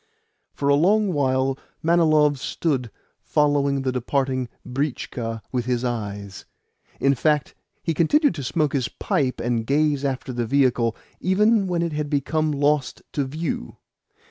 For a long while Manilov stood following the departing britchka with his eyes. In fact, he continued to smoke his pipe and gaze after the vehicle even when it had become lost to view.